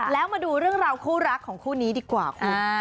แล้วมาดูเรื่องราวคู่รักของคู่นี้ดีกว่าคุณ